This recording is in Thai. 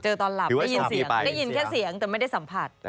ตอนหลับได้ยินเสียงได้ยินแค่เสียงแต่ไม่ได้สัมผัส